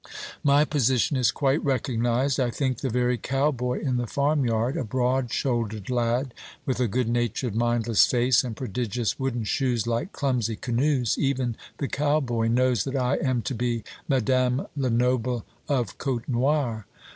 My position is quite recognised. I think the very cowboy in the farmyard a broad shouldered lad, with a good natured mindless face, and prodigious wooden shoes like clumsy canoes even the cowboy knows that I am to be Madame Lenoble of Côtenoir.